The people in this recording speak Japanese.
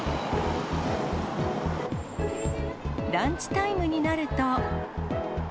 ランチタイムになると。